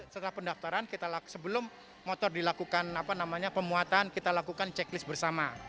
setelah pendaftaran sebelum motor dilakukan pemuatan kita lakukan checklist bersama